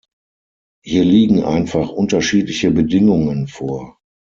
Hier liegen einfach unterschiedliche Bedingungen vor.